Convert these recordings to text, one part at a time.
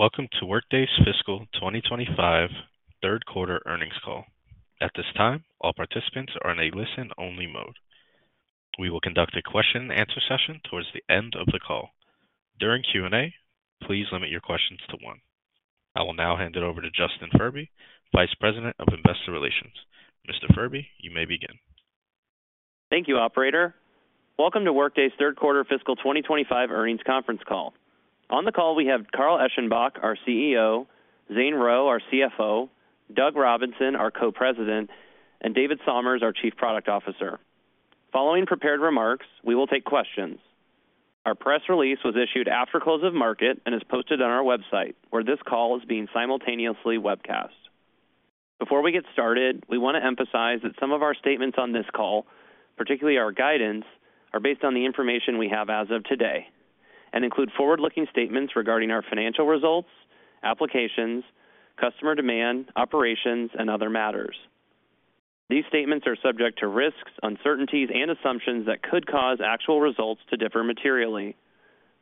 Hello. Welcome to Workday's Fiscal 2025 Third Quarter Earnings Call. At this time, all participants are in a listen-only mode. We will conduct a question-and-answer session toward the end of the call. During Q&A, please limit your questions to one. I will now hand it over to Justin Furby, Vice President of Investor Relations. Mr. Furby, you may begin. Thank you, Operator. Welcome to Workday's third quarter fiscal 2025 earnings conference call. On the call, we have Carl Eschenbach, our CEO, Zane Rowe, our CFO, Doug Robinson, our Co-President, and David Somers, our Chief Product Officer. Following prepared remarks, we will take questions. Our press release was issued after close of market and is posted on our website, where this call is being simultaneously webcast. Before we get started, we want to emphasize that some of our statements on this call, particularly our guidance, are based on the information we have as of today and include forward-looking statements regarding our financial results, applications, customer demand, operations, and other matters. These statements are subject to risks, uncertainties, and assumptions that could cause actual results to differ materially.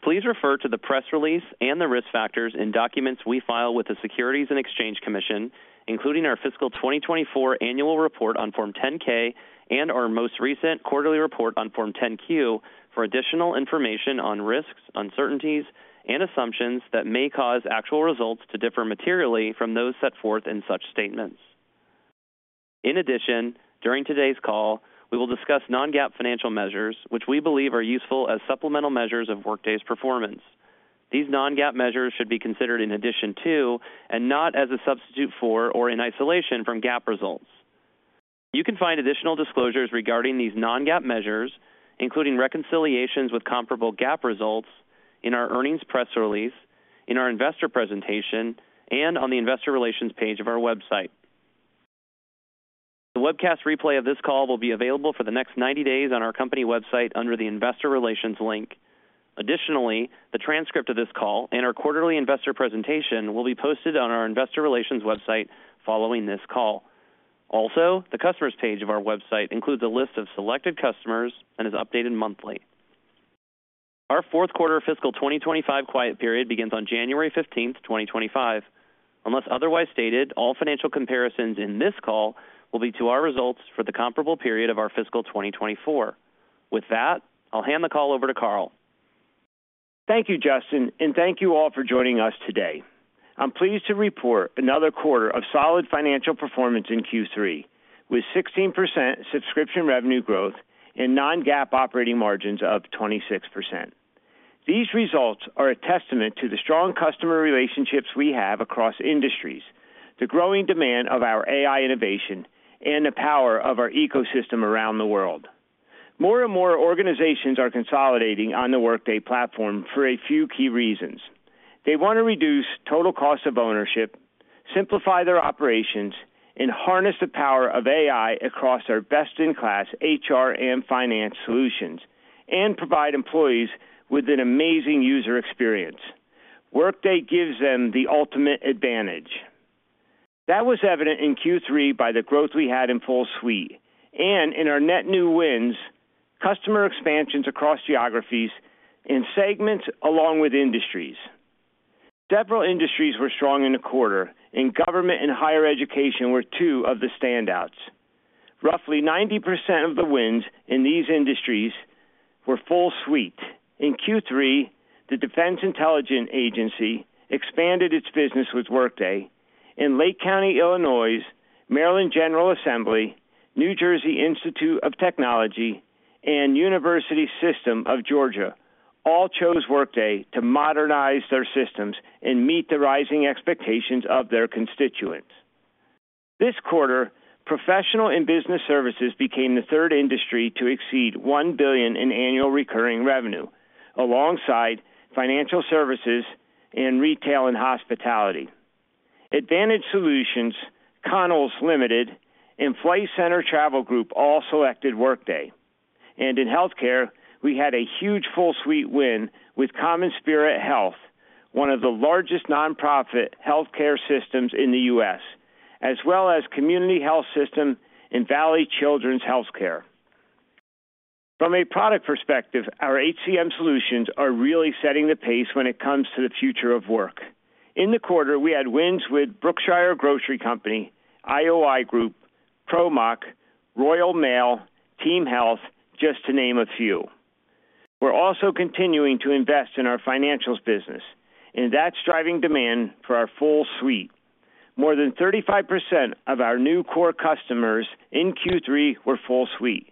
Please refer to the press release and the risk factors in documents we file with the Securities and Exchange Commission, including our fiscal 2024 annual report on Form 10-K and our most recent quarterly report on Form 10-Q, for additional information on risks, uncertainties, and assumptions that may cause actual results to differ materially from those set forth in such statements. In addition, during today's call, we will discuss non-GAAP financial measures, which we believe are useful as supplemental measures of Workday's performance. These non-GAAP measures should be considered in addition to, and not as a substitute for, or in isolation from GAAP results. You can find additional disclosures regarding these non-GAAP measures, including reconciliations with comparable GAAP results, in our earnings press release, in our investor presentation, and on the investor relations page of our website. The webcast replay of this call will be available for the next 90 days on our company website under the investor relations link. Additionally, the transcript of this call and our quarterly investor presentation will be posted on our investor relations website following this call. Also, the customers page of our website includes a list of selected customers and is updated monthly. Our fourth quarter fiscal 2025 quiet period begins on January 15th, 2025. Unless otherwise stated, all financial comparisons in this call will be to our results for the comparable period of our fiscal 2024. With that, I'll hand the call over to Carl. Thank you, Justin, and thank you all for joining us today. I'm pleased to report another quarter of solid financial performance in Q3, with 16% subscription revenue growth and non-GAAP operating margins of 26%. These results are a testament to the strong customer relationships we have across industries, the growing demand of our AI innovation, and the power of our ecosystem around the world. More and more organizations are consolidating on the Workday platform for a few key reasons. They want to reduce total cost of ownership, simplify their operations, and harness the power of AI across our best-in-class HR and finance solutions, and provide employees with an amazing user experience. Workday gives them the ultimate advantage. That was evident in Q3 by the growth we had in full suite, and in our net new wins, customer expansions across geographies, and segments along with industries. Several industries were strong in the quarter, and government and higher education were two of the standouts. Roughly 90% of the wins in these industries were full suite. In Q3, the Defense Intelligence Agency expanded its business with Workday, and Lake County, Illinois, Maryland General Assembly, New Jersey Institute of Technology, and University System of Georgia all chose Workday to modernize their systems and meet the rising expectations of their constituents. This quarter, professional and business services became the third industry to exceed $1 billion in annual recurring revenue, alongside financial services and retail and hospitality. Advantage Solutions, Collins Foods Limited, and Flight Centre Travel Group all selected Workday, and in healthcare, we had a huge full suite win with CommonSpirit Health, one of the largest nonprofit healthcare systems in the U.S., as well as Community Health Systems and Valley Children's Healthcare. From a product perspective, our HCM solutions are really setting the pace when it comes to the future of work. In the quarter, we had wins with Brookshire Grocery Company, IOI Group, ProMach, Royal Mail, TeamHealth, just to name a few. We're also continuing to invest in our financials business, and that's driving demand for our full suite. More than 35% of our new core customers in Q3 were full suite.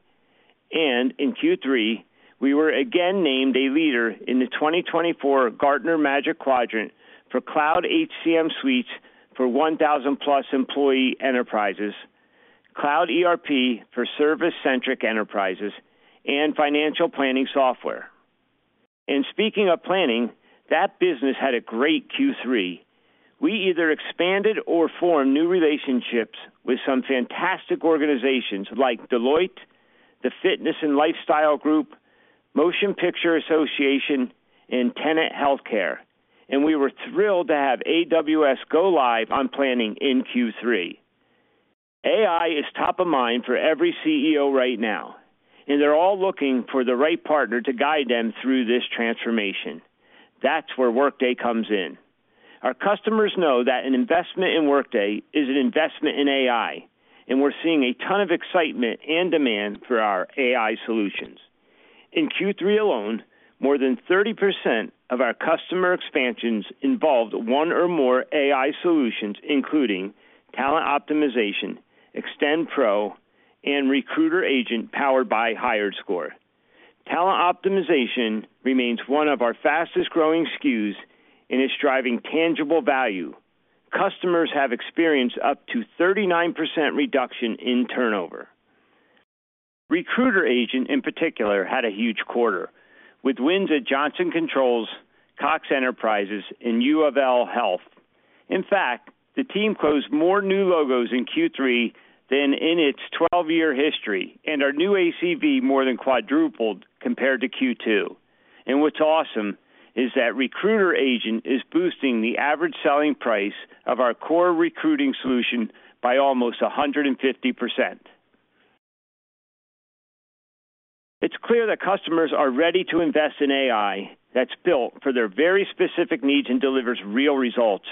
In Q3, we were again named a leader in the 2024 Gartner Magic Quadrant for Cloud HCM suites for 1,000+ employee enterprises, Cloud ERP for service-centric enterprises, and financial planning software. Speaking of planning, that business had a great Q3. We either expanded or formed new relationships with some fantastic organizations like Deloitte, the Fitness and Lifestyle Group, Motion Picture Association, and Tenet Healthcare. We were thrilled to have AWS go live on planning in Q3. AI is top of mind for every CEO right now, and they're all looking for the right partner to guide them through this transformation. That's where Workday comes in. Our customers know that an investment in Workday is an investment in AI, and we're seeing a ton of excitement and demand for our AI solutions. In Q3 alone, more than 30% of our customer expansions involved one or more AI solutions, including Talent Optimization, Extend Pro, and Recruiter Agent powered by HiredScore. Talent Optimization remains one of our fastest-growing SKUs and is driving tangible value. Customers have experienced up to 39% reduction in turnover. Recruiter Agent, in particular, had a huge quarter, with wins at Johnson Controls, Cox Enterprises, and UofL Health. In fact, the team closed more new logos in Q3 than in its 12-year history, and our new ACV more than quadrupled compared to Q2. And what's awesome is that Recruiter Agent is boosting the average selling price of our core recruiting solution by almost 150%. It's clear that customers are ready to invest in AI that's built for their very specific needs and delivers real results.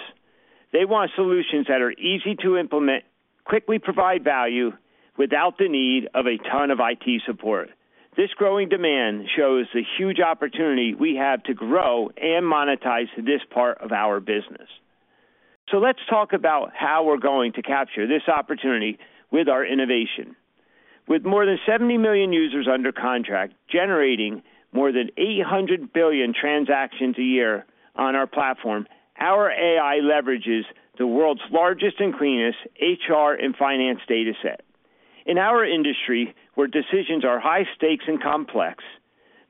They want solutions that are easy to implement, quickly provide value, without the need of a ton of IT support. This growing demand shows the huge opportunity we have to grow and monetize this part of our business. So let's talk about how we're going to capture this opportunity with our innovation. With more than 70 million users under contract, generating more than 800 billion transactions a year on our platform, our AI leverages the world's largest and cleanest HR and finance dataset. In our industry, where decisions are high stakes and complex,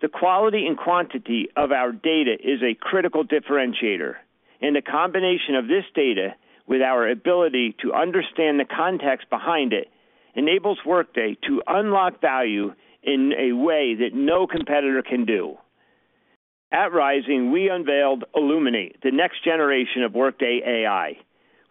the quality and quantity of our data is a critical differentiator, and the combination of this data with our ability to understand the context behind it enables Workday to unlock value in a way that no competitor can do. At Rising, we unveiled Illuminate, the next generation of Workday AI.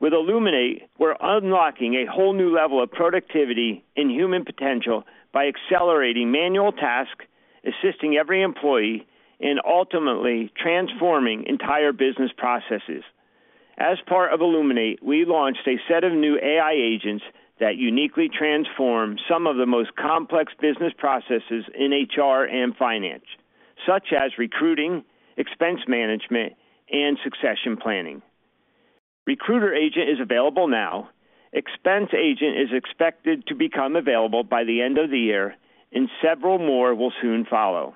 With Illuminate, we're unlocking a whole new level of productivity and human potential by accelerating manual tasks, assisting every employee, and ultimately transforming entire business processes. As part of Illuminate, we launched a set of new AI agents that uniquely transform some of the most complex business processes in HR and finance, such as recruiting, expense management, and succession planning. Recruiter Agent is available now. Expense Agent is expected to become available by the end of the year, and several more will soon follow.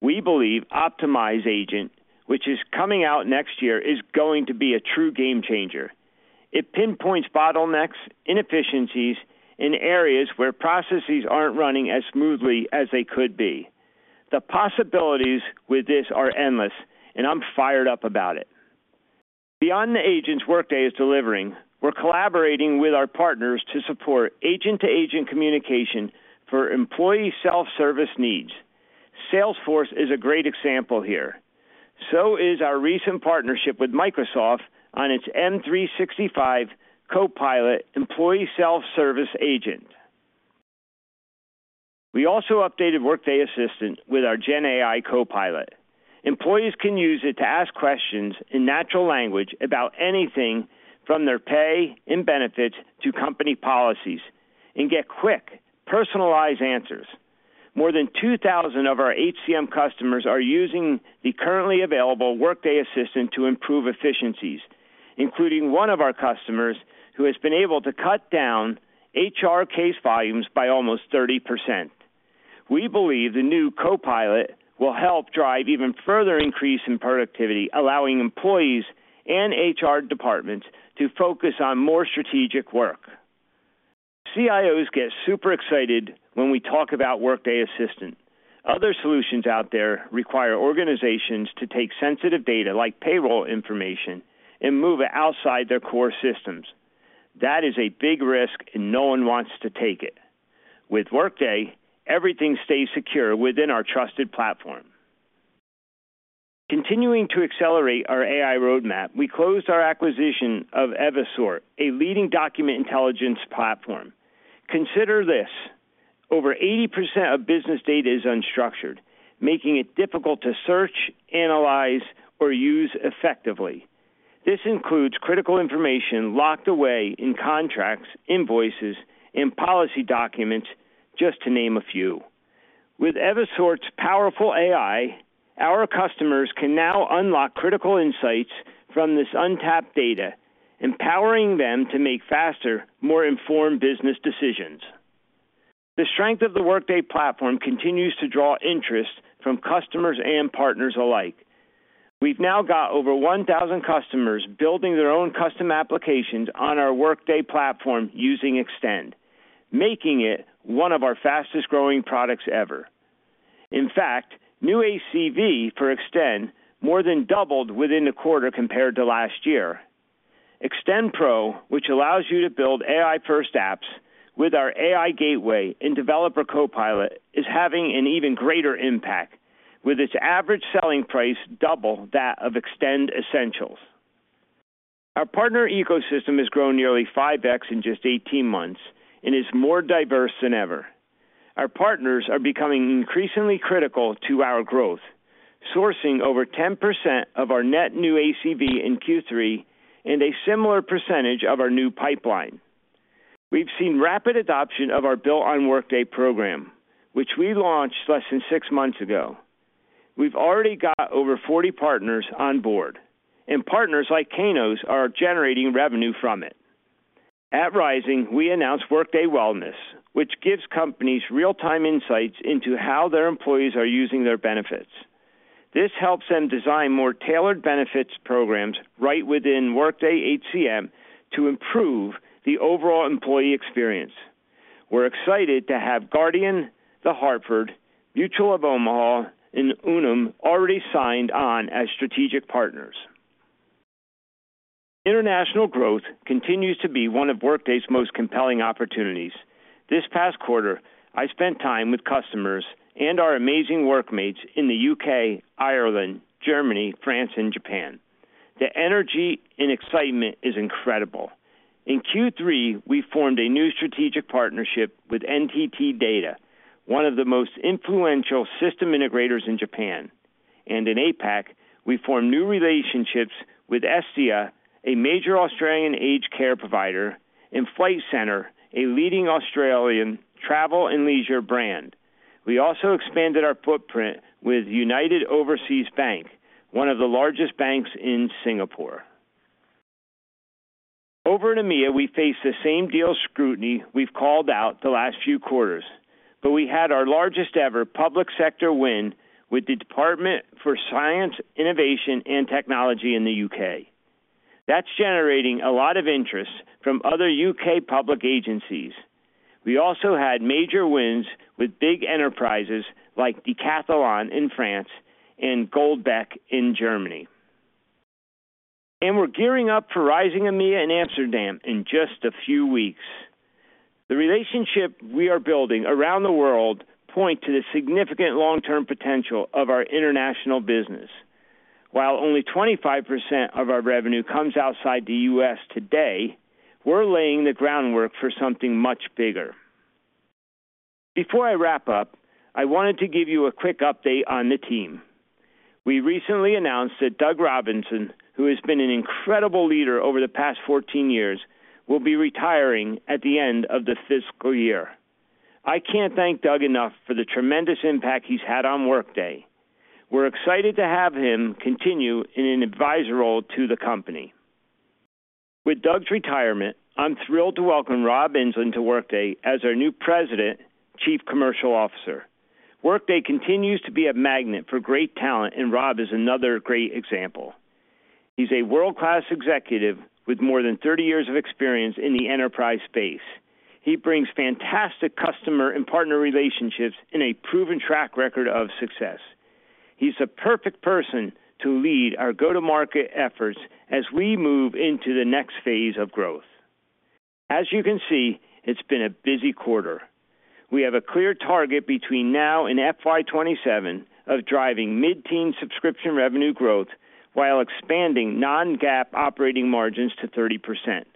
We believe Optimize Agent, which is coming out next year, is going to be a true game changer. It pinpoints bottlenecks, inefficiencies, and areas where processes aren't running as smoothly as they could be. The possibilities with this are endless, and I'm fired up about it. Beyond the agents Workday is delivering, we're collaborating with our partners to support agent-to-agent communication for employee self-service needs. Salesforce is a great example here. So is our recent partnership with Microsoft on its M365 Copilot employee self-service agent. We also updated Workday Assistant with our GenAI Copilot. Employees can use it to ask questions in natural language about anything from their pay and benefits to company policies and get quick, personalized answers. More than 2,000 of our HCM customers are using the currently available Workday Assistant to improve efficiencies, including one of our customers who has been able to cut down HR case volumes by almost 30%. We believe the new Copilot will help drive even further increase in productivity, allowing employees and HR departments to focus on more strategic work. CIOs get super excited when we talk about Workday Assistant. Other solutions out there require organizations to take sensitive data like payroll information and move it outside their core systems. That is a big risk, and no one wants to take it. With Workday, everything stays secure within our trusted platform. Continuing to accelerate our AI roadmap, we closed our acquisition of a leading document intelligence platform. Consider this: over 80% of business data is unstructured, making it difficult to search, analyze, or use effectively. This includes critical information locked away in contracts, invoices, and policy documents, just to name a few. With Evisort's powerful AI, our customers can now unlock critical insights from this untapped data, empowering them to make faster, more informed business decisions. The strength of the Workday platform continues to draw interest from customers and partners alike. We've now got over 1,000 customers building their own custom applications on our Workday platform using Extend, making it one of our fastest-growing products ever. In fact, new ACV for Extend more than doubled within the quarter compared to last year. Extend Pro, which allows you to build AI-first apps with our AI Gateway and Developer Copilot, is having an even greater impact, with its average selling price double that of Extend Essentials. Our partner ecosystem has grown nearly 5x in just 18 months and is more diverse than ever. Our partners are becoming increasingly critical to our growth, sourcing over 10% of our net new ACV in Q3 and a similar percentage of our new pipeline. We've seen rapid adoption of our Built on Workday program, which we launched less than six months ago. We've already got over 40 partners on board, and partners like Kainos are generating revenue from it. At Rising, we announced Workday Wellness, which gives companies real-time insights into how their employees are using their benefits. This helps them design more tailored benefits programs right within Workday HCM to improve the overall employee experience. We're excited to have Guardian, The Hartford, Mutual of Omaha, and Unum already signed on as strategic partners. International growth continues to be one of Workday's most compelling opportunities. This past quarter, I spent time with customers and our amazing Workmates in the U.K., Ireland, Germany, France, and Japan. The energy and excitement is incredible. In Q3, we formed a new strategic partnership with NTT DATA, one of the most influential system integrators in Japan, and in APAC, we formed new relationships with Estia, a major Australian aged care provider, and Flight Centre, a leading Australian travel and leisure brand. We also expanded our footprint with United Overseas Bank, one of the largest banks in Singapore. Over in EMEA, we faced the same deal scrutiny we've called out the last few quarters, but we had our largest-ever public sector win with the Department for Science, Innovation, and Technology in the U.K.. That's generating a lot of interest from other U.K. public agencies. We also had major wins with big enterprises like Decathlon in France and Goldbeck in Germany, and we're gearing up for Rising EMEA in Amsterdam in just a few weeks. The relationship we are building around the world points to the significant long-term potential of our international business. While only 25% of our revenue comes outside the U.S. today, we're laying the groundwork for something much bigger. Before I wrap up, I wanted to give you a quick update on the team. We recently announced that Doug Robinson, who has been an incredible leader over the past 14 years, will be retiring at the end of the fiscal year. I can't thank Doug enough for the tremendous impact he's had on Workday. We're excited to have him continue in an advisor role to the company. With Doug's retirement, I'm thrilled to welcome Rob Enslin to Workday as our new President, Chief Commercial Officer. Workday continues to be a magnet for great talent, and Rob is another great example. He's a world-class executive with more than 30 years of experience in the enterprise space. He brings fantastic customer and partner relationships and a proven track record of success. He's the perfect person to lead our go-to-market efforts as we move into the next phase of growth. As you can see, it's been a busy quarter. We have a clear target between now and FY27 of driving mid-teen subscription revenue growth while expanding non-GAAP operating margins to 30%.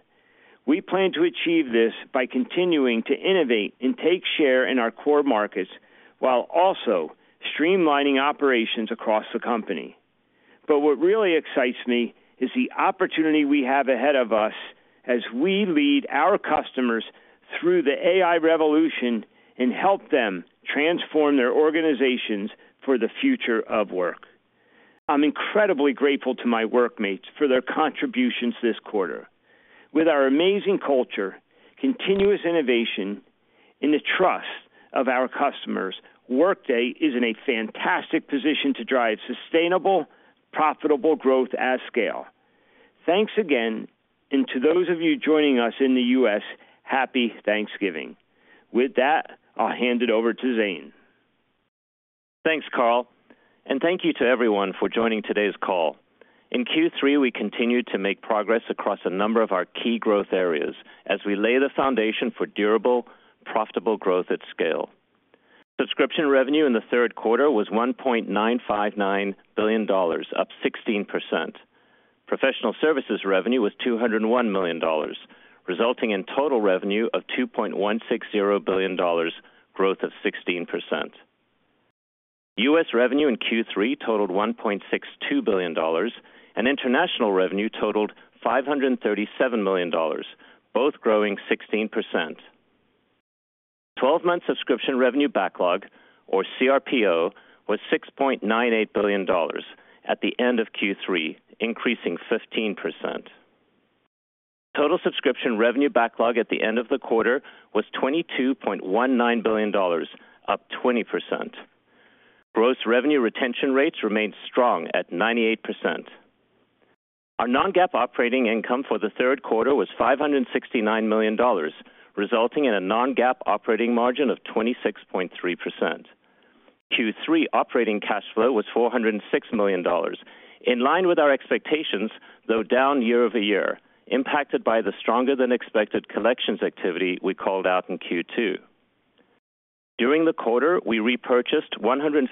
We plan to achieve this by continuing to innovate and take share in our core markets while also streamlining operations across the company. But what really excites me is the opportunity we have ahead of us as we lead our customers through the AI revolution and help them transform their organizations for the future of work. I'm incredibly grateful to my workmates for their contributions this quarter. With our amazing culture, continuous innovation, and the trust of our customers, Workday is in a fantastic position to drive sustainable, profitable growth at scale. Thanks again, and to those of you joining us in the U.S., happy Thanksgiving. With that, I'll hand it over to Zane. Thanks, Carl, and thank you to everyone for joining today's call. In Q3, we continued to make progress across a number of our key growth areas as we lay the foundation for durable, profitable growth at scale. Subscription revenue in the third quarter was $1.959 billion, up 16%. Professional services revenue was $201 million, resulting in total revenue of $2.160 billion, growth of 16%. U.S. revenue in Q3 totaled $1.62 billion, and international revenue totaled $537 million, both growing 16%. The 12-month subscription revenue backlog, or cRPO, was $6.98 billion at the end of Q3, increasing 15%. Total subscription revenue backlog at the end of the quarter was $22.19 billion, up 20%. Gross revenue retention rates remained strong at 98%. Our non-GAAP operating income for the third quarter was $569 million, resulting in a non-GAAP operating margin of 26.3%. Q3 operating cash flow was $406 million, in line with our expectations, though down year-over-year, impacted by the stronger-than-expected collections activity we called out in Q2. During the quarter, we repurchased $157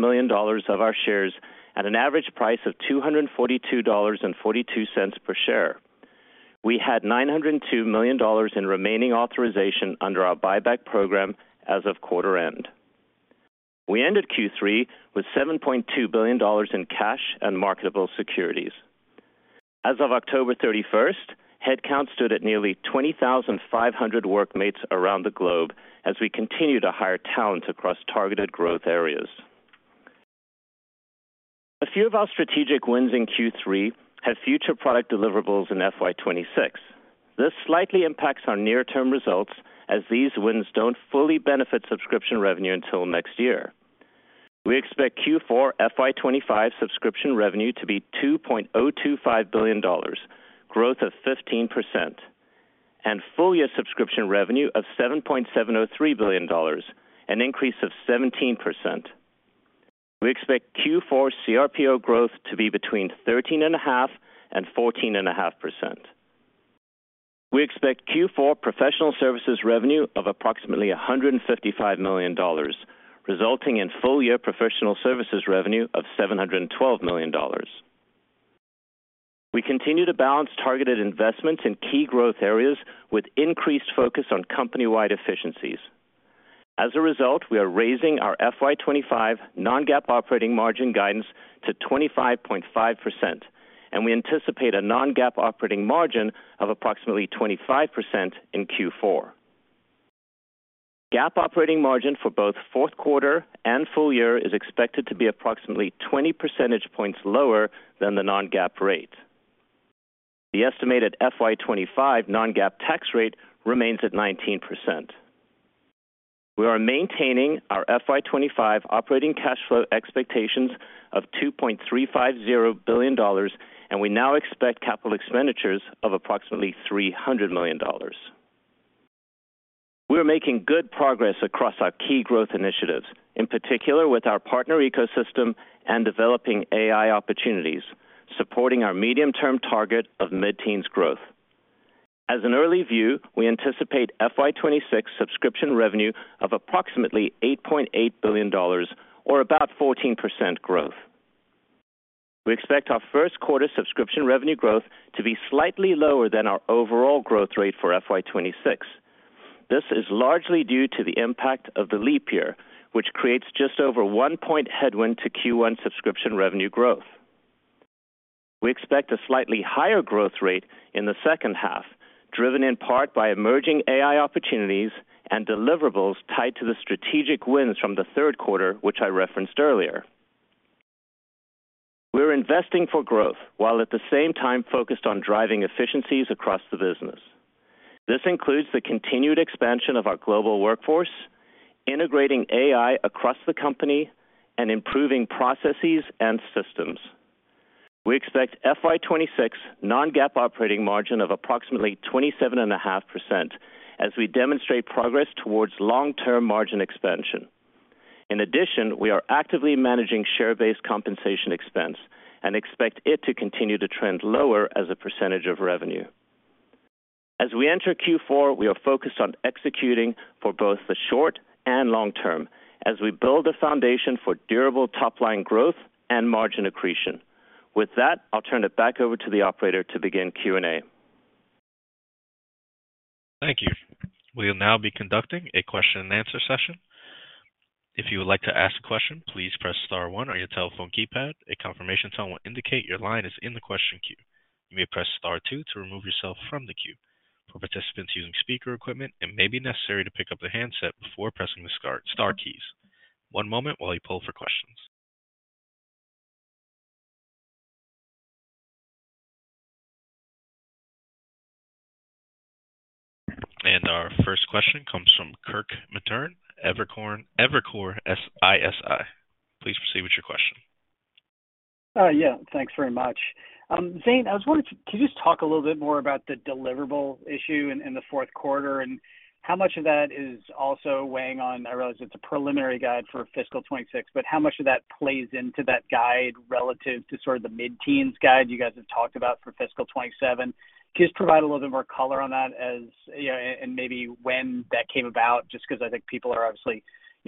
million of our shares at an average price of $242.42 per share. We had $902 million in remaining authorization under our buyback program as of quarter end. We ended Q3 with $7.2 billion in cash and marketable securities. As of October 31st, headcount stood at nearly 20,500 Workmates around the globe as we continue to hire talent across targeted growth areas. A few of our strategic wins in Q3 have future product deliverables in FY26. This slightly impacts our near-term results as these wins don't fully benefit subscription revenue until next year. We expect Q4 FY25 subscription revenue to be $2.025 billion, growth of 15%, and full-year subscription revenue of $7.703 billion, an increase of 17%. We expect Q4 cRPO growth to be between 13.5% and 14.5%. We expect Q4 professional services revenue of approximately $155 million, resulting in full-year professional services revenue of $712 million. We continue to balance targeted investments in key growth areas with increased focus on company-wide efficiencies. As a result, we are raising our FY25 non-GAAP operating margin guidance to 25.5%, and we anticipate a non-GAAP operating margin of approximately 25% in Q4. The GAAP operating margin for both fourth quarter and full year is expected to be approximately 20 percentage points lower than the non-GAAP rate. The estimated FY25 non-GAAP tax rate remains at 19%. We are maintaining our FY25 operating cash flow expectations of $2.350 billion, and we now expect capital expenditures of approximately $300 million. We are making good progress across our key growth initiatives, in particular with our partner ecosystem and developing AI opportunities, supporting our medium-term target of mid-teens growth. As an early view, we anticipate FY26 subscription revenue of approximately $8.8 billion, or about 14% growth. We expect our first quarter subscription revenue growth to be slightly lower than our overall growth rate for FY26. This is largely due to the impact of the leap year, which creates just over one point headwind to Q1 subscription revenue growth. We expect a slightly higher growth rate in the second half, driven in part by emerging AI opportunities and deliverables tied to the strategic wins from the third quarter, which I referenced earlier. We're investing for growth while at the same time focused on driving efficiencies across the business. This includes the continued expansion of our global workforce, integrating AI across the company, and improving processes and systems. We expect FY26 non-GAAP operating margin of approximately 27.5% as we demonstrate progress towards long-term margin expansion. In addition, we are actively managing share-based compensation expense and expect it to continue to trend lower as a percentage of revenue. As we enter Q4, we are focused on executing for both the short and long term as we build a foundation for durable top-line growth and margin accretion. With that, I'll turn it back over to the operator to begin Q&A. Thank you. We will now be conducting a question-and-answer session. If you would like to ask a question, please press star one on your telephone keypad. A confirmation tone will indicate your line is in the question queue. You may press star two to remove yourself from the queue. For participants using speaker equipment, it may be necessary to pick up the handset before pressing the star keys. One moment while you pull for questions. And our first question comes from Kirk Materne, Evercore ISI. Please proceed with your question. Yeah, thanks very much. Zane, I was wondering, could you just talk a little bit more about the deliverable issue in the fourth quarter and how much of that is also weighing on? I realize it's a preliminary guide for fiscal 2026, but how much of that plays into that guide relative to sort of the mid-teens guide you guys have talked about for fiscal 2027? Could you just provide a little bit more color on that and maybe when that came about, just because I think people are obviously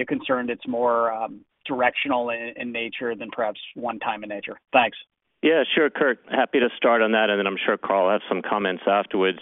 concerned it's more directional in nature than perhaps one-time in nature? Thanks. Yeah, sure, Kirk. Happy to start on that, and then I'm sure Carl will have some comments afterwards.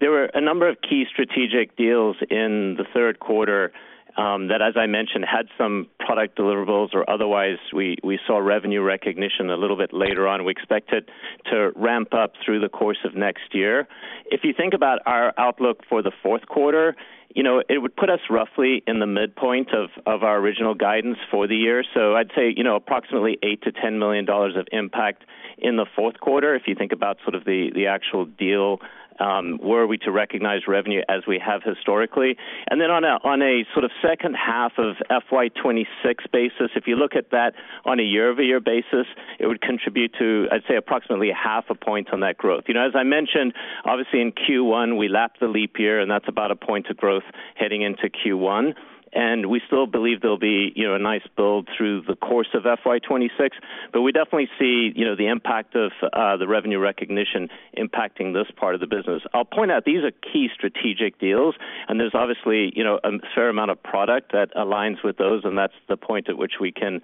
There were a number of key strategic deals in the third quarter that, as I mentioned, had some product deliverables or otherwise we saw revenue recognition a little bit later on. We expect it to ramp up through the course of next year. If you think about our outlook for the fourth quarter, it would put us roughly in the midpoint of our original guidance for the year. So I'd say approximately $8-$10 million of impact in the fourth quarter if you think about sort of the actual deal, were we to recognize revenue as we have historically. And then on a sort of second half of FY26 basis, if you look at that on a year-over-year basis, it would contribute to, I'd say, approximately half a point on that growth. As I mentioned, obviously in Q1, we lapped the leap year, and that's about a point of growth heading into Q1. We still believe there'll be a nice build through the course of FY26, but we definitely see the impact of the revenue recognition impacting this part of the business. I'll point out these are key strategic deals, and there's obviously a fair amount of product that aligns with those, and that's the point at which we can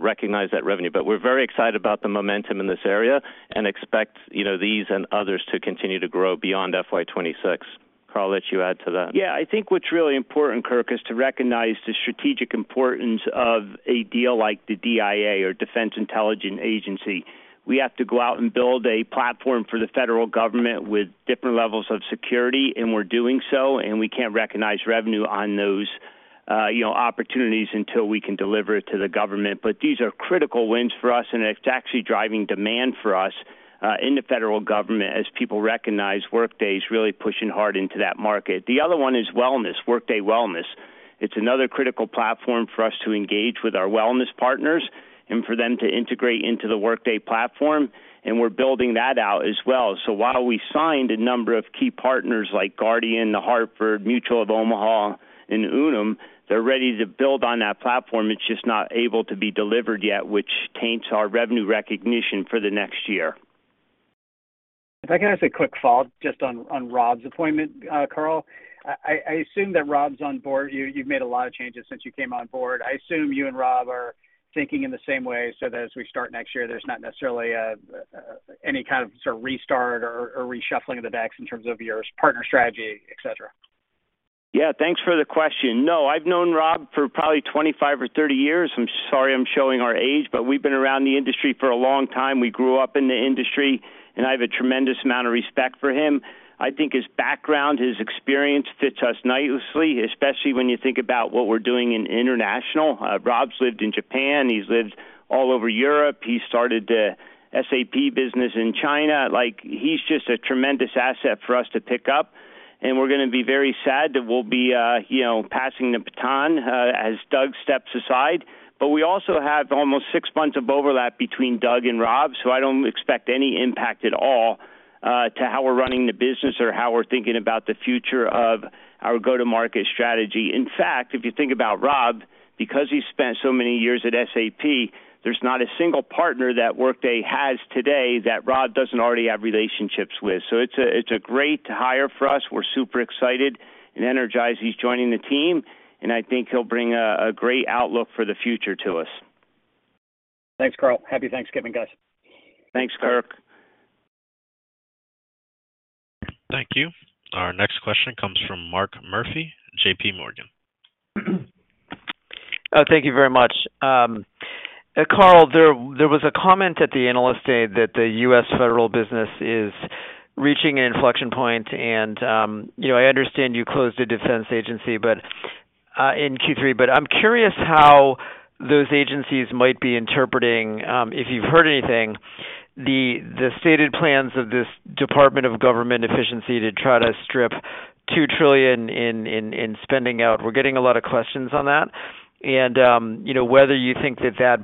recognize that revenue. But we're very excited about the momentum in this area and expect these and others to continue to grow beyond FY26. Carl, I'll let you add to that. Yeah, I think what's really important, Kirk, is to recognize the strategic importance of a deal like the DIA, or Defense Intelligence Agency. We have to go out and build a platform for the federal government with different levels of security, and we're doing so, and we can't recognize revenue on those opportunities until we can deliver it to the government. But these are critical wins for us, and it's actually driving demand for us in the federal government as people recognize Workday's really pushing hard into that market. The other one is wellness, Workday Wellness. It's another critical platform for us to engage with our wellness partners and for them to integrate into the Workday platform, and we're building that out as well. So while we signed a number of key partners like Guardian, The Hartford, Mutual of Omaha, and Unum, they're ready to build on that platform. It's just not able to be delivered yet, which taints our revenue recognition for the next year. If I can ask a quick follow-up just on Rob's appointment, Carl, I assume that Rob's on board. You've made a lot of changes since you came on board. I assume you and Rob are thinking in the same way so that as we start next year, there's not necessarily any kind of sort of restart or reshuffling of the decks in terms of your partner strategy, etc. Yeah, thanks for the question. No, I've known Rob for probably 25 or 30 years. I'm sorry I'm showing our age, but we've been around the industry for a long time. We grew up in the industry, and I have a tremendous amount of respect for him. I think his background, his experience fits us nicely, especially when you think about what we're doing in international. Rob's lived in Japan. He's lived all over Europe. He started the SAP business in China. He's just a tremendous asset for us to pick up, and we're going to be very sad that we'll be passing the baton as Doug steps aside. But we also have almost six months of overlap between Doug and Rob, so I don't expect any impact at all to how we're running the business or how we're thinking about the future of our go-to-market strategy. In fact, if you think about Rob, because he spent so many years at SAP, there's not a single partner that Workday has today that Rob doesn't already have relationships with. So it's a great hire for us. We're super excited and energized he's joining the team, and I think he'll bring a great outlook for the future to us. Thanks, Carl. Happy Thanksgiving, guys. Thanks, Kirk. Thank you. Our next question comes from Mark Murphy, JPMorgan. Thank you very much. Carl, there was a comment at the analyst day that the U.S. federal business is reaching an inflection point, and I understand you closed the Defense Intelligence Agency in Q3, but I'm curious how those agencies might be interpreting, if you've heard anything, the stated plans of this Department of Government Efficiency to try to strip $2 trillion in spending out. We're getting a lot of questions on that, and whether you think that that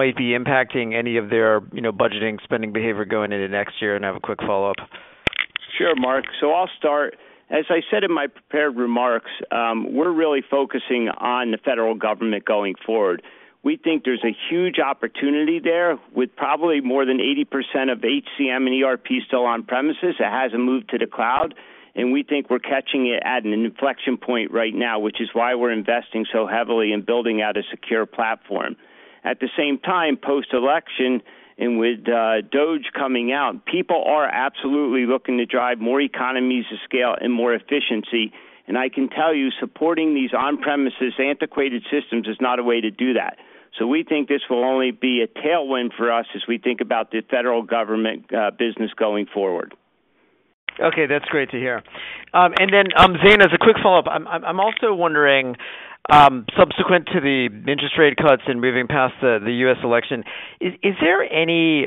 might be impacting any of their budgeting, spending behavior going into next year, and I have a quick follow-up. Sure, Mark. So I'll start. As I said in my prepared remarks, we're really focusing on the federal government going forward. We think there's a huge opportunity there with probably more than 80% of HCM and ERP still on premises. It hasn't moved to the cloud, and we think we're catching it at an inflection point right now, which is why we're investing so heavily in building out a secure platform. At the same time, post-election and with DOGE coming out, people are absolutely looking to drive more economies of scale and more efficiency, and I can tell you supporting these on-premises antiquated systems is not a way to do that. So we think this will only be a tailwind for us as we think about the federal government business going forward. Okay, that's great to hear. And then, Zane, as a quick follow-up, I'm also wondering, subsequent to the interest rate cuts and moving past the U.S. election, is there any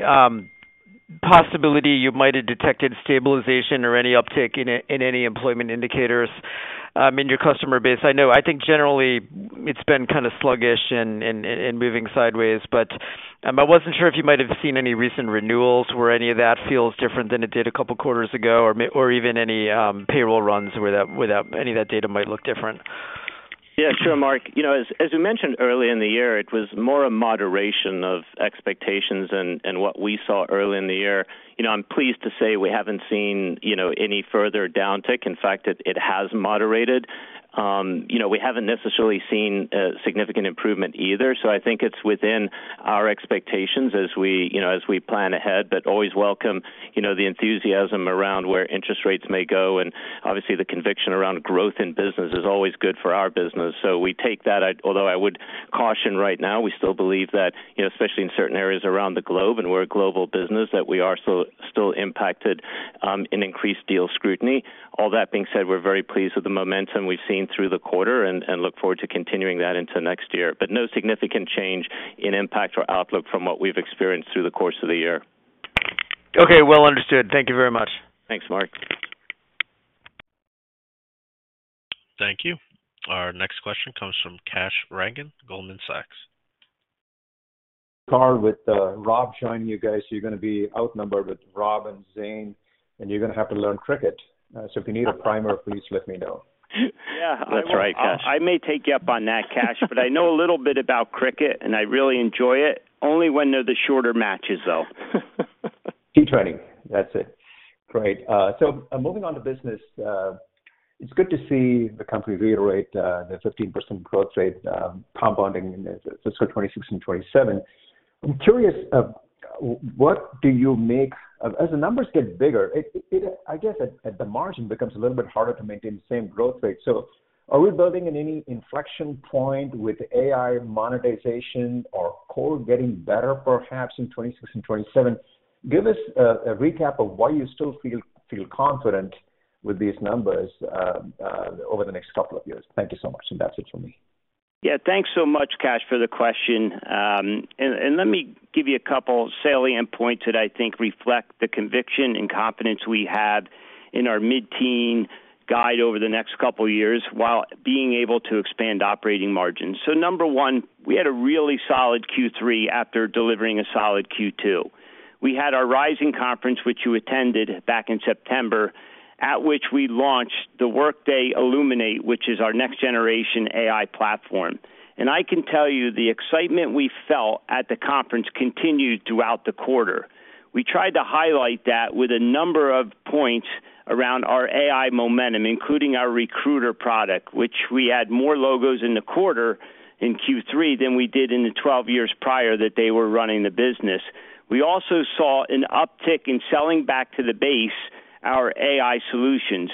possibility you might have detected stabilization or any uptick in any employment indicators in your customer base? I know I think generally it's been kind of sluggish and moving sideways, but I wasn't sure if you might have seen any recent renewals where any of that feels different than it did a couple of quarters ago or even any payroll runs where any of that data might look different. Yeah, sure, Mark. As we mentioned early in the year, it was more a moderation of expectations and what we saw early in the year. I'm pleased to say we haven't seen any further downtick. In fact, it has moderated. We haven't necessarily seen significant improvement either, so I think it's within our expectations as we plan ahead, but always welcome the enthusiasm around where interest rates may go, and obviously the conviction around growth in business is always good for our business. So we take that, although I would caution right now, we still believe that, especially in certain areas around the globe and we're a global business, that we are still impacted in increased deal scrutiny. All that being said, we're very pleased with the momentum we've seen through the quarter and look forward to continuing that into next year, but no significant change in impact or outlook from what we've experienced through the course of the year. Okay, well understood. Thank you very much. Thanks, Mark. Thank you. Our next question comes from Kash Rangan, Goldman Sachs. Carl, with Rob joining you guys, you're going to be outnumbered with Rob and Zane, and you're going to have to learn cricket. So if you need a primer, please let me know. Yeah, that's right, Kash. I may take you up on that, Kash, but I know a little bit about cricket, and I really enjoy it. Only when they're the shorter matches, though. Keep training. That's it. Great. So moving on to business, it's good to see the company reiterate the 15% growth rate compounding in fiscal 2026 and 2027. I'm curious, what do you make as the numbers get bigger? I guess at the margin becomes a little bit harder to maintain the same growth rate. So are we building in any inflection point with AI monetization or core getting better perhaps in 2026 and 2027? Give us a recap of why you still feel confident with these numbers over the next couple of years. Thank you so much, and that's it for me. Yeah, thanks so much, Kash, for the question. Let me give you a couple of salient points that I think reflect the conviction and confidence we have in our mid-teens guide over the next couple of years while being able to expand operating margins. Number one, we had a really solid Q3 after delivering a solid Q2. We had our Rising conference, which you attended back in September, at which we launched the Workday Illuminate, which is our next-generation AI platform. I can tell you the excitement we felt at the conference continued throughout the quarter. We tried to highlight that with a number of points around our AI momentum, including our Recruiter product, which we had more logos in the quarter in Q3 than we did in the 12 years prior that they were running the business. We also saw an uptick in selling back to the base, our AI solutions.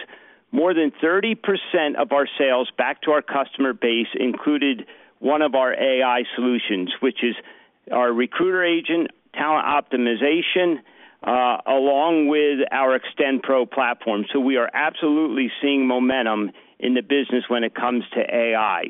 More than 30% of our sales back to our customer base included one of our AI solutions, which is our Recruiter Agent, Talent Optimization, along with our Extend Pro platform. So we are absolutely seeing momentum in the business when it comes to AI.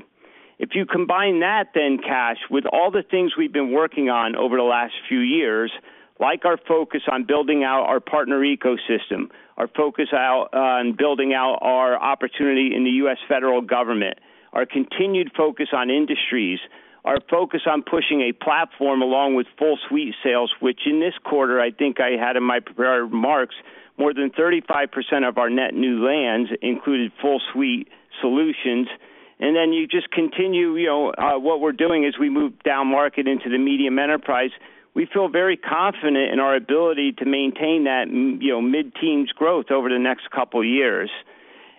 If you combine that, then, Kash, with all the things we've been working on over the last few years, like our focus on building out our partner ecosystem, our focus on building out our opportunity in the U.S. federal government, our continued focus on industries, our focus on pushing a platform along with full suite sales, which in this quarter, I think I had in my prepared remarks, more than 35% of our net new lands included full suite solutions. And then you just continue what we're doing as we move down market into the medium enterprise. We feel very confident in our ability to maintain that mid-teens growth over the next couple of years.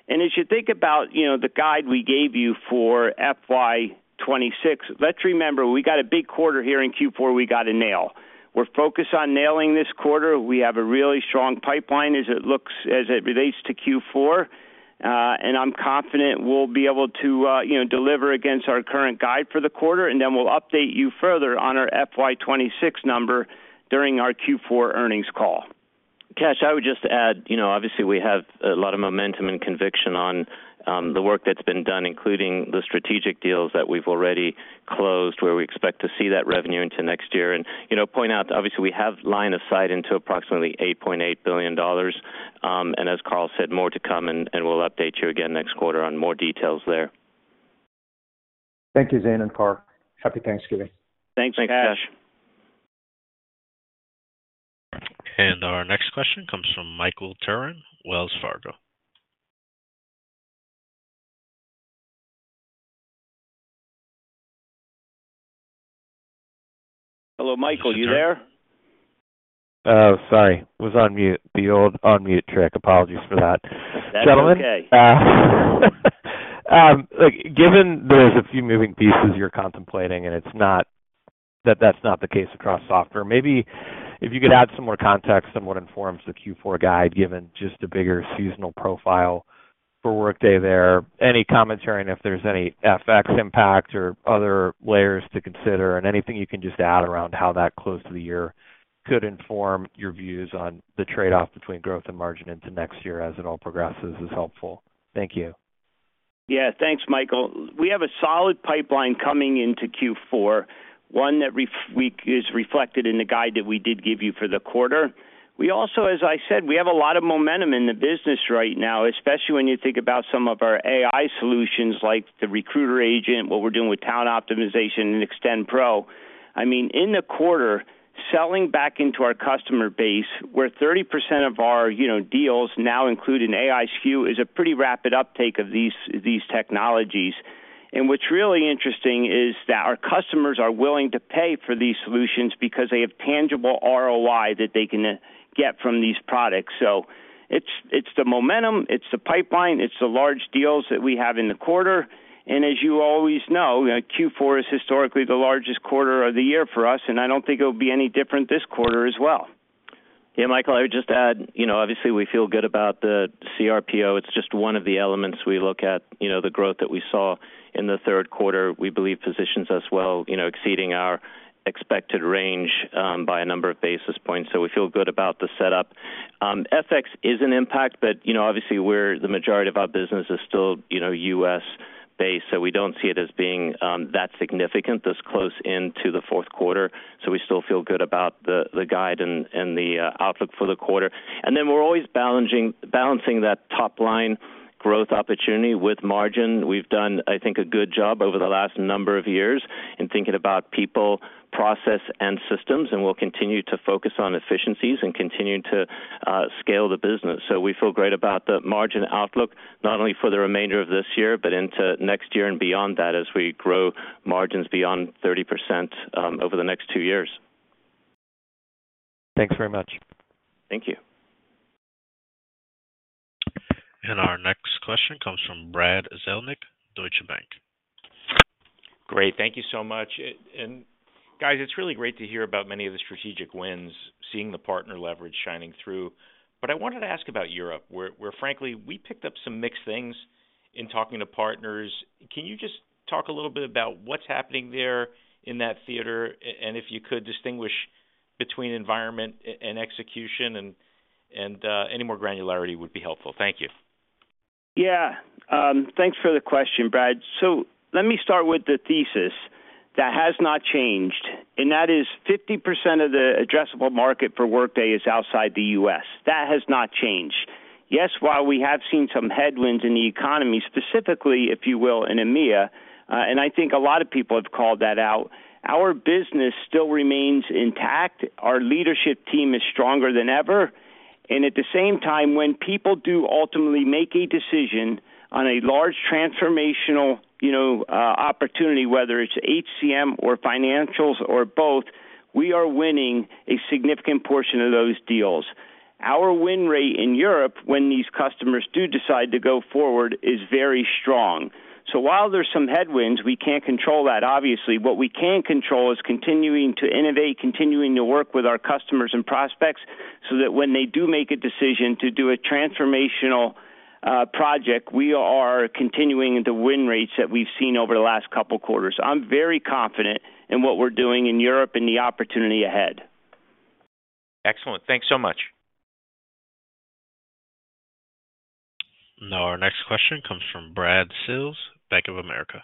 And as you think about the guide we gave you for FY26, let's remember we got a big quarter here in Q4. We got to nail. We're focused on nailing this quarter. We have a really strong pipeline as it relates to Q4, and I'm confident we'll be able to deliver against our current guide for the quarter, and then we'll update you further on our FY26 number during our Q4 earnings call. Kash, I would just add, obviously, we have a lot of momentum and conviction on the work that's been done, including the strategic deals that we've already closed, where we expect to see that revenue into next year. And point out, obviously, we have line of sight into approximately $8.8 billion. And as Carl said, more to come, and we'll update you again next quarter on more details there. Thank you, Zane and Carl. Happy Thanksgiving. Thanks, Kash. Thanks, Kash. And our next question comes from Michael Turrin, Wells Fargo. Hello, Michael, you there? Sorry, was on mute, the old on-mute trick. Apologies for that. That's okay. Given there's a few moving pieces you're contemplating, and it's not that that's not the case across software, maybe if you could add some more information to the Q4 guide, given just a bigger seasonal profile for Workday there. Any commentary on if there's any effects impact or other layers to consider? And anything you can just add around how that close to the year could inform your views on the trade-off between growth and margin into next year as it all progresses is helpful. Thank you. Yeah, thanks, Michael. We have a solid pipeline coming into Q4, one that is reflected in the guide that we did give you for the quarter. We also, as I said, we have a lot of momentum in the business right now, especially when you think about some of our AI solutions like the Recruiter Agent, what we're doing with Talent Optimization and Extend Pro. I mean, in the quarter, selling back into our customer base, where 30% of our deals now include an AI SKU is a pretty rapid uptake of these technologies. And what's really interesting is that our customers are willing to pay for these solutions because they have tangible ROI that they can get from these products. So it's the momentum, it's the pipeline, it's the large deals that we have in the quarter. And as you always know, Q4 is historically the largest quarter of the year for us, and I don't think it will be any different this quarter as well. Yeah, Michael, I would just add, obviously, we feel good about the cRPO. It's just one of the elements we look at. The growth that we saw in the third quarter, we believe, positions us well, exceeding our expected range by a number of basis points. So we feel good about the setup. FX is an impact, but obviously, the majority of our business is still U.S.-based, so we don't see it as being that significant this close into the fourth quarter. So we still feel good about the guide and the outlook for the quarter. And then we're always balancing that top-line growth opportunity with margin. We've done, I think, a good job over the last number of years in thinking about people, process, and systems, and we'll continue to focus on efficiencies and continue to scale the business. So we feel great about the margin outlook, not only for the remainder of this year, but into next year and beyond that as we grow margins beyond 30% over the next two years. Thanks very much. Thank you. And our next question comes from Brad Zelnick, Deutsche Bank. Great. Thank you so much. And guys, it's really great to hear about many of the strategic wins, seeing the partner leverage shining through. But I wanted to ask about Europe, where, frankly, we picked up some mixed things in talking to partners. Can you just talk a little bit about what's happening there in that theater? If you could distinguish between environment and execution, and any more granularity would be helpful. Thank you. Yeah, thanks for the question, Brad. Let me start with the thesis that has not changed, and that is 50% of the addressable market for Workday is outside the US. That has not changed. Yes, while we have seen some headwinds in the economy, specifically, if you will, in EMEA, and I think a lot of people have called that out, our business still remains intact. Our leadership team is stronger than ever. At the same time, when people do ultimately make a decision on a large transformational opportunity, whether it's HCM or financials or both, we are winning a significant portion of those deals. Our win rate in Europe, when these customers do decide to go forward, is very strong. So while there's some headwinds, we can't control that, obviously. What we can control is continuing to innovate, continuing to work with our customers and prospects so that when they do make a decision to do a transformational project, we are continuing the win rates that we've seen over the last couple of quarters. I'm very confident in what we're doing in Europe and the opportunity ahead. Excellent. Thanks so much. Now, our next question comes from Brad Sills, Bank of America.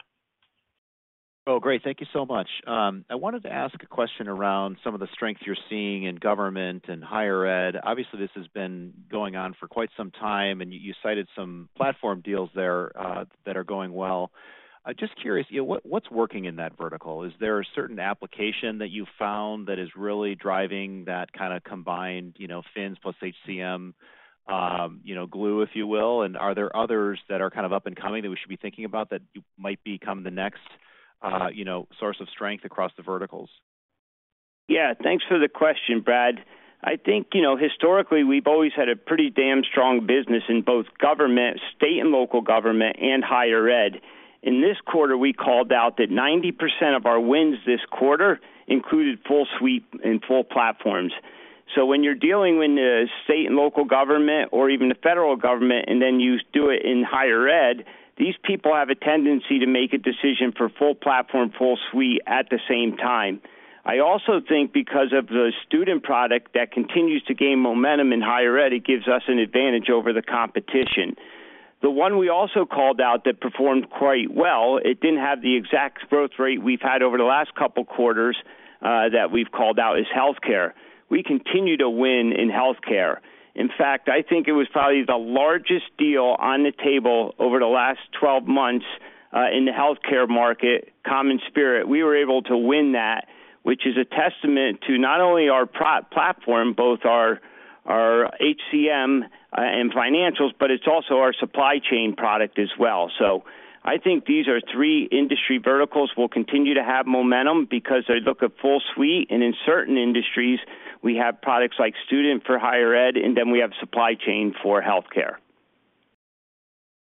Oh, great. Thank you so much. I wanted to ask a question around some of the strength you're seeing in government and higher ed. Obviously, this has been going on for quite some time, and you cited some platform deals there that are going well. Just curious, what's working in that vertical? Is there a certain application that you found that is really driving that kind of combined Financials plus HCM glue, if you will? And are there others that are kind of up and coming that we should be thinking about that might become the next source of strength across the verticals? Yeah, thanks for the question, Brad. I think historically, we've always had a pretty damn strong business in both government, state and local government, and higher ed. In this quarter, we called out that 90% of our wins this quarter included full suite and full platforms. So when you're dealing with state and local government or even the federal government, and then you do it in higher ed, these people have a tendency to make a decision for full platform, full suite at the same time. I also think because of the student product that continues to gain momentum in higher ed, it gives us an advantage over the competition. The one we also called out that performed quite well, it didn't have the exact growth rate we've had over the last couple of quarters that we've called out, is healthcare. We continue to win in healthcare. In fact, I think it was probably the largest deal on the table over the last 12 months in the healthcare market, CommonSpirit. We were able to win that, which is a testament to not only our platform, both our HCM and financials, but it's also our supply chain product as well. So I think these are three industry verticals we'll continue to have momentum because they look at full suite, and in certain industries, we have products like student for higher ed, and then we have supply chain for healthcare.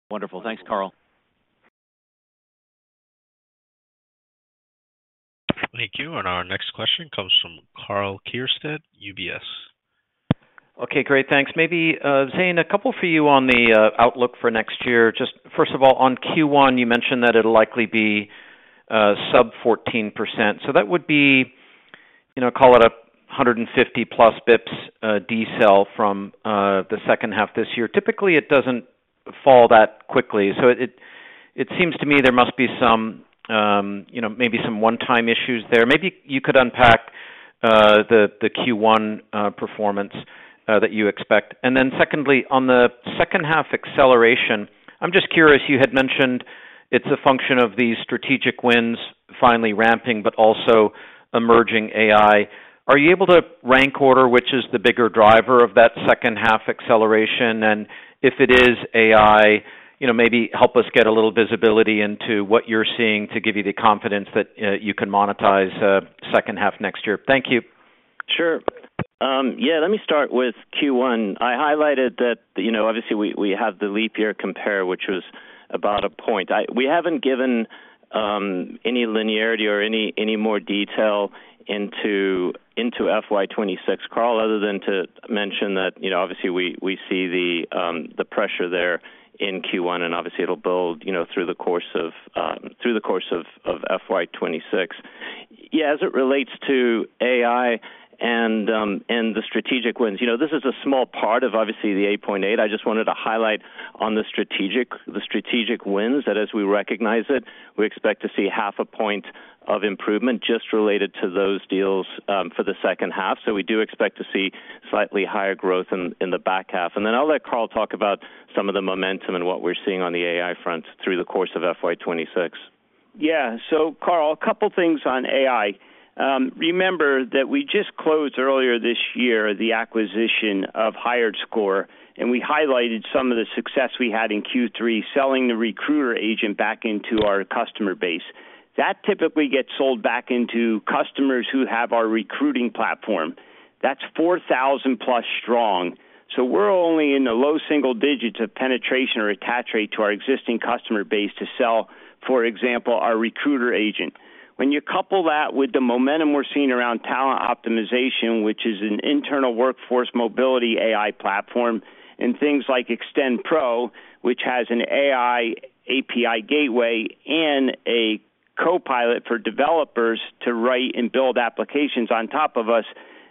Wonderful. Thanks, Carl. Thank you. And our next question comes from Karl Keirstead, UBS. Okay, great. Thanks. Maybe Zane, a couple for you on the outlook for next year. Just first of all, on Q1, you mentioned that it'll likely be sub 14%. So that would be, call it a 150+ basis points decel from the second half this year. Typically, it doesn't fall that quickly. So it seems to me there must be maybe some one-time issues there. Maybe you could unpack the Q1 performance that you expect. And then, secondly, on the second half acceleration, I'm just curious. You had mentioned it's a function of these strategic wins finally ramping, but also emerging AI. Are you able to rank order which is the bigger driver of that second half acceleration? And if it is AI, maybe help us get a little visibility into what you're seeing to give you the confidence that you can monetize second half next year. Thank you. Sure. Yeah, let me start with Q1. I highlighted that obviously we have the leap year compare, which was about a point. We haven't given any linearity or any more detail into FY26, Karl, other than to mention that obviously we see the pressure there in Q1, and obviously it'll build through the course of FY26. Yeah, as it relates to AI and the strategic wins, this is a small part of obviously the 8.8. I just wanted to highlight on the strategic wins that as we recognize it, we expect to see half a point of improvement just related to those deals for the second half. So we do expect to see slightly higher growth in the back half. And then I'll let Carl talk about some of the momentum and what we're seeing on the AI front through the course of FY26. Yeah. So Karl, a couple of things on AI. Remember that we just closed earlier this year the acquisition of HiredScore, and we highlighted some of the success we had in Q3 selling the Recruiter Agent back into our customer base. That typically gets sold back into customers who have our recruiting platform. That's 4,000+ strong. So we're only in the low single digits of penetration or attach rate to our existing customer base to sell, for example, our Recruiter Agent. When you couple that with the momentum we're seeing around Talent Optimization, which is an internal workforce mobility AI platform, and things like Extend Pro, which has an AI API gateway and a Copilot for developers to write and build applications on top of us,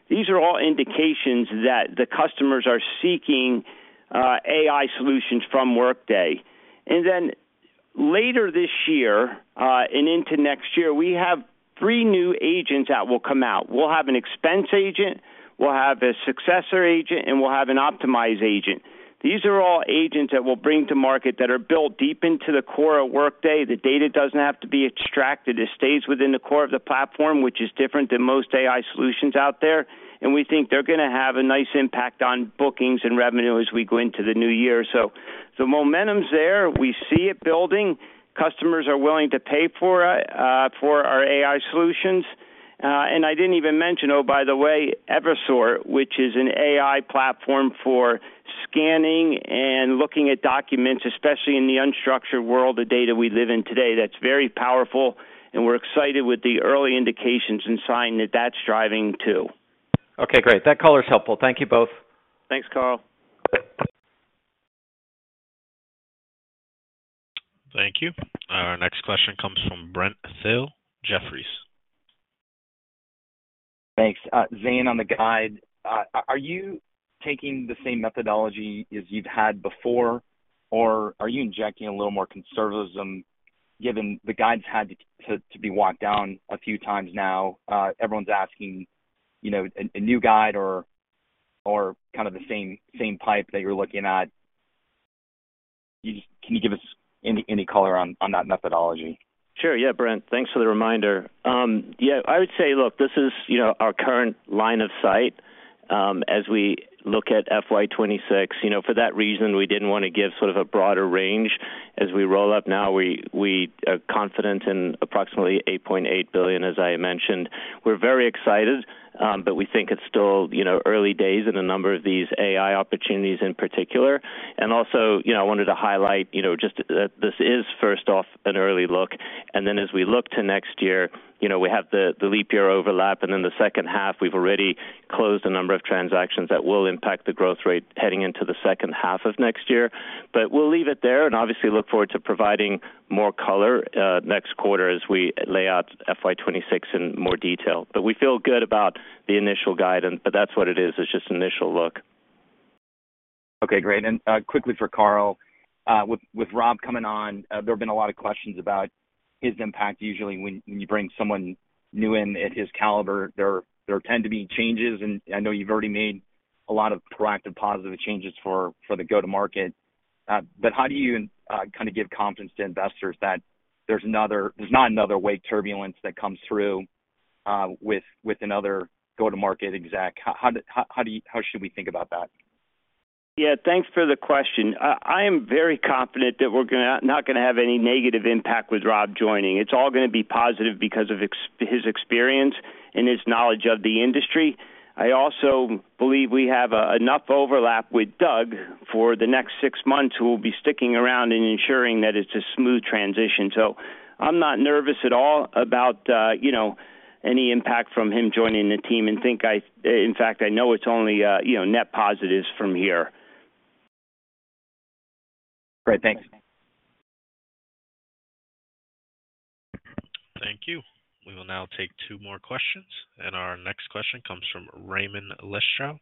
these are all indications that the customers are seeking AI solutions from Workday. And then later this year and into next year, we have three new agents that will come out. We'll have an Expense Agent, we'll have a Succession Agent, and we'll have an Optimize Agent. These are all agents that we'll bring to market that are built deep into the core of Workday. The data doesn't have to be extracted. It stays within the core of the platform, which is different than most AI solutions out there. And we think they're going to have a nice impact on bookings and revenue as we go into the new year. So the momentum's there. We see it building. Customers are willing to pay for our AI solutions. And I didn't even mention, oh, by the way, Evisort, which is an AI platform for scanning and looking at documents, especially in the unstructured world of data we live in today. That's very powerful, and we're excited with the early indications and sign that that's driving too. Okay, great. That color is helpful. Thank you both. Thanks, Karl. Thank you. Our next question comes from Brent Thill, Jefferies. Thanks. Zane on the guide. Are you taking the same methodology as you've had before, or are you injecting a little more conservatism given the guides had to be walked down a few times now? Everyone's asking a new guide or kind of the same pipe that you're looking at. Can you give us any color on that methodology? Sure. Yeah, Brent, thanks for the reminder. Yeah, I would say, look, this is our current line of sight as we look at FY26. For that reason, we didn't want to give sort of a broader range. As we roll up now, we are confident in approximately $8.8 billion, as I mentioned. We're very excited, but we think it's still early days in a number of these AI opportunities in particular. And also, I wanted to highlight just that this is, first off, an early look. And then as we look to next year, we have the leap year overlap, and in the second half, we've already closed a number of transactions that will impact the growth rate heading into the second half of next year. But we'll leave it there and obviously look forward to providing more color next quarter as we lay out FY26 in more detail. But we feel good about the initial guidance, but that's what it is. It's just initial look. Okay, great. And quickly for Carl, with Rob coming on, there have been a lot of questions about his impact. Usually, when you bring someone new in at his caliber, there tend to be changes, and I know you've already made a lot of proactive positive changes for the go-to-market. But how do you kind of give confidence to investors that there's not another wake turbulence that comes through with another go-to-market exec? How should we think about that? Yeah, thanks for the question. I am very confident that we're not going to have any negative impact with Rob joining. It's all going to be positive because of his experience and his knowledge of the industry. I also believe we have enough overlap with Doug for the next six months, who will be sticking around and ensuring that it's a smooth transition. So I'm not nervous at all about any impact from him joining the team and think, in fact, I know it's only net positives from here. Great. Thanks. Thank you. We will now take two more questions. And our next question comes from Raimo Lenschow,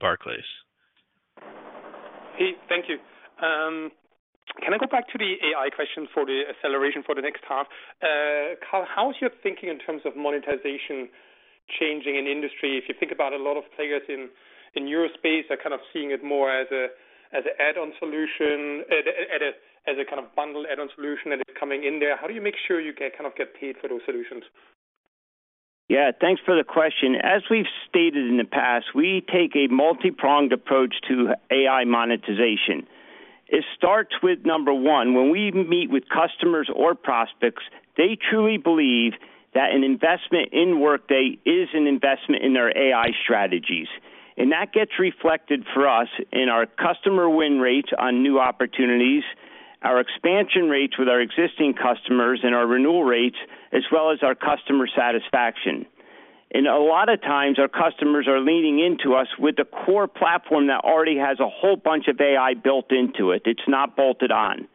Barclays. Hey, thank you. Can I go back to the AI question for the acceleration for the next half? Carl, how is your thinking in terms of monetization changing in industry? If you think about a lot of players in your space, they're kind of seeing it more as an add-on solution, as a kind of bundled add-on solution that is coming in there. How do you make sure you kind of get paid for those solutions? Yeah, thanks for the question. As we've stated in the past, we take a multi-pronged approach to AI monetization. It starts with number one. When we meet with customers or prospects, they truly believe that an investment in Workday is an investment in their AI strategies, and that gets reflected for us in our customer win rates on new opportunities, our expansion rates with our existing customers, and our renewal rates, as well as our customer satisfaction. A lot of times, our customers are leaning into us with a core platform that already has a whole bunch of AI built into it. It's not bolted on.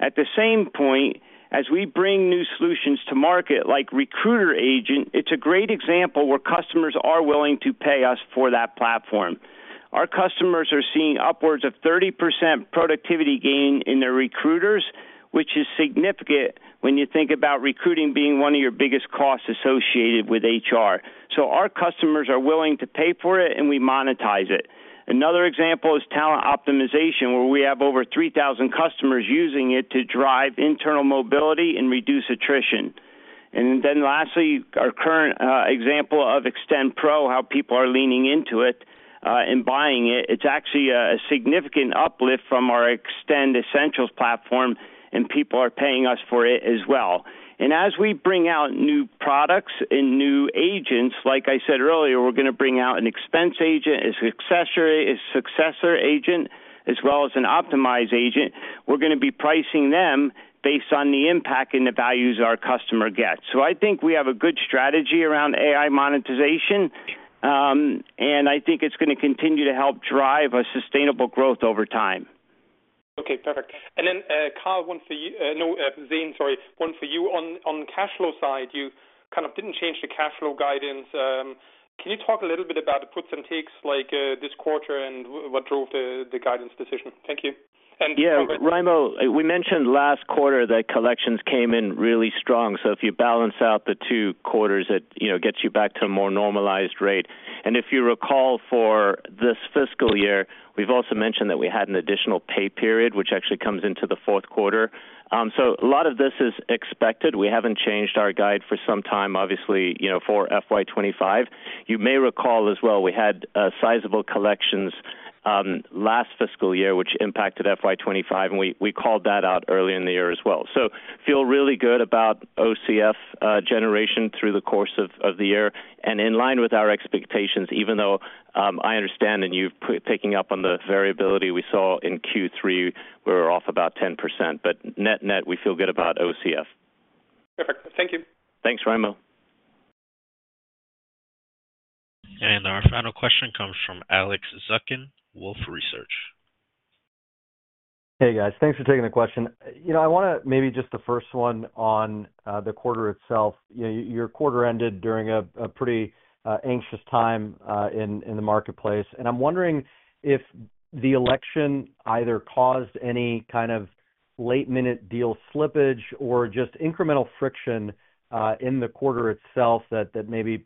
At the same point, as we bring new solutions to market, like Recruiter Agent, it's a great example where customers are willing to pay us for that platform. Our customers are seeing upwards of 30% productivity gain in their recruiters, which is significant when you think about recruiting being one of your biggest costs associated with HR. So our customers are willing to pay for it, and we monetize it. Another example is Talent Optimization, where we have over 3,000 customers using it to drive internal mobility and reduce attrition. And then lastly, our current example of Extend Pro, how people are leaning into it and buying it. It's actually a significant uplift from our Extend Essentials platform, and people are paying us for it as well. And as we bring out new products and new agents, like I said earlier, we're going to bring out an Expense Agent, a Succession Agent, as well as an Optimize Agent. We're going to be pricing them based on the impact and the value our customer gets. So I think we have a good strategy around AI monetization, and I think it's going to continue to help drive a sustainable growth over time. Okay, perfect. And then, Carl, one for you. No, Zane, sorry. One for you. On cash flow side, you kind of didn't change the cash flow guidance. Can you talk a little bit about the puts and takes this quarter and what drove the guidance decision? Thank you. And. Yeah, Raimo, we mentioned last quarter that collections came in really strong. So if you balance out the two quarters, it gets you back to a more normalized rate. And if you recall for this fiscal year, we've also mentioned that we had an additional pay period, which actually comes into the fourth quarter. So a lot of this is expected. We haven't changed our guide for some time, obviously, for FY25. You may recall as well, we had sizable collections last fiscal year, which impacted FY25, and we called that out early in the year as well. So feel really good about OCF generation through the course of the year. And in line with our expectations, even though I understand, and you're picking up on the variability we saw in Q3, we were off about 10%. But net net, we feel good about OCF. Perfect. Thank you. Thanks, Raimo. Our final question comes from Alex Zukin, Wolfe Research. Hey, guys. Thanks for taking the question. I want to maybe just the first one on the quarter itself. Your quarter ended during a pretty anxious time in the marketplace. I'm wondering if the election either caused any kind of last-minute deal slippage or just incremental friction in the quarter itself that maybe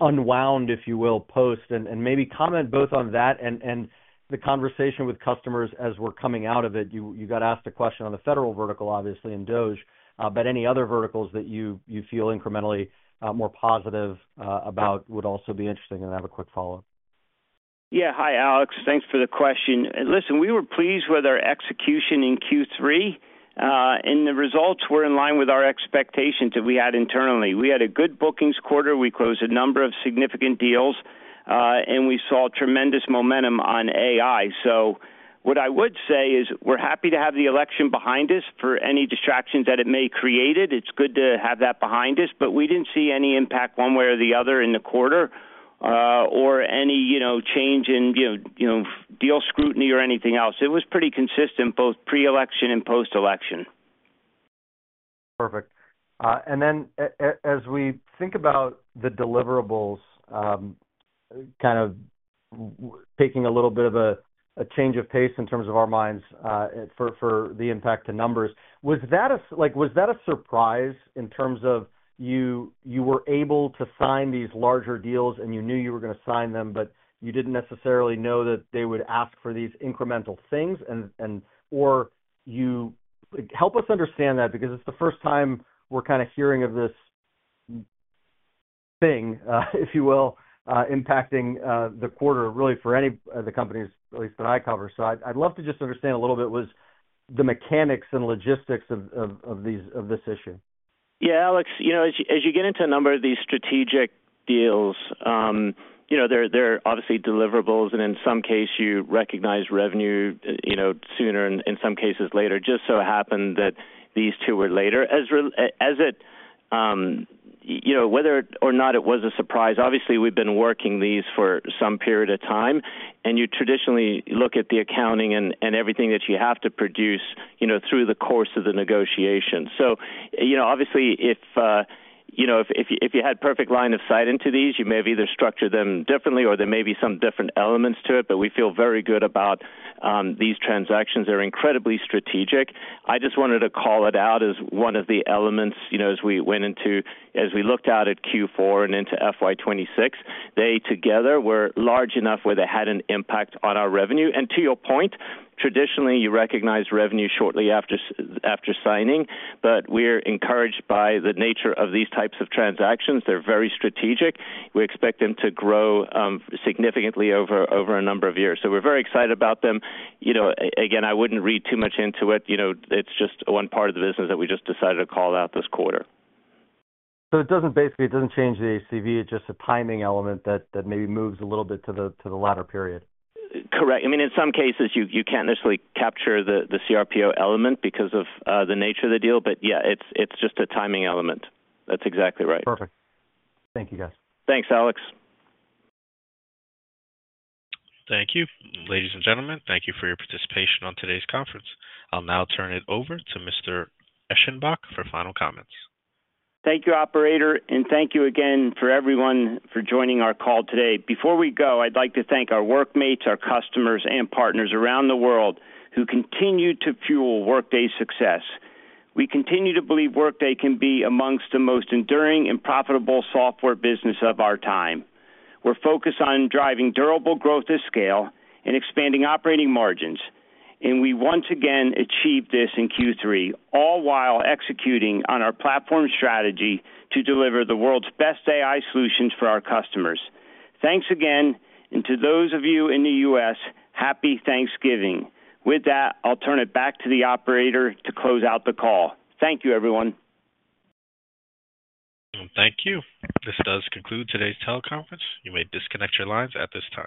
unwound, if you will, post. Maybe comment both on that and the conversation with customers as we're coming out of it. You got asked a question on the federal vertical, obviously, and DOGE, but any other verticals that you feel incrementally more positive about would also be interesting to have a quick follow-up. Yeah. Hi, Alex. Thanks for the question. Listen, we were pleased with our execution in Q3, and the results were in line with our expectations that we had internally. We had a good bookings quarter. We closed a number of significant deals, and we saw tremendous momentum on AI. So what I would say is we're happy to have the election behind us for any distractions that it may create. It's good to have that behind us, but we didn't see any impact one way or the other in the quarter or any change in deal scrutiny or anything else. It was pretty consistent both pre-election and post-election. Perfect. And then as we think about the deliverables, kind of taking a little bit of a change of pace in terms of our minds for the impact to numbers, was that a surprise in terms of you were able to sign these larger deals and you knew you were going to sign them, but you didn't necessarily know that they would ask for these incremental things? Or help us understand that because it's the first time we're kind of hearing of this thing, if you will, impacting the quarter really for any of the companies, at least that I cover. So I'd love to just understand a little bit what the mechanics and logistics of this issue. Yeah, Alex, as you get into a number of these strategic deals, they're obviously deliverables, and in some cases, you recognize revenue sooner and in some cases later. It just so happened that these two were later. As to whether or not it was a surprise, obviously, we've been working these for some period of time, and you traditionally look at the accounting and everything that you have to produce through the course of the negotiation. So obviously, if you had perfect line of sight into these, you may have either structured them differently or there may be some different elements to it, but we feel very good about these transactions. They're incredibly strategic. I just wanted to call it out as one of the elements as we went into, as we looked at it Q4 and into FY26. They together were large enough where they had an impact on our revenue. And to your point, traditionally, you recognize revenue shortly after signing, but we're encouraged by the nature of these types of transactions. They're very strategic. We expect them to grow significantly over a number of years. So we're very excited about them. Again, I wouldn't read too much into it. It's just one part of the business that we just decided to call out this quarter. So it doesn't basically change the ACV. It's just a timing element that maybe moves a little bit to the latter period. Correct. I mean, in some cases, you can't necessarily capture the cRPO element because of the nature of the deal, but yeah, it's just a timing element. That's exactly right. Perfect. Thank you, guys. Thanks, Alex. Thank you. Ladies and gentlemen, thank you for your participation on today's conference. I'll now turn it over to Mr. Eschenbach for final comments. Thank you, operator, and thank you again for everyone for joining our call today. Before we go, I'd like to thank our Workmates, our customers, and partners around the world who continue to fuel Workday's success. We continue to believe Workday can be amongst the most enduring and profitable software business of our time. We're focused on driving durable growth at scale and expanding operating margins, and we once again achieved this in Q3, all while executing on our platform strategy to deliver the world's best AI solutions for our customers. Thanks again, and to those of you in the U.S., happy Thanksgiving. With that, I'll turn it back to the operator to close out the call. Thank you, everyone. Thank you. This does conclude today's teleconference. You may disconnect your lines at this time.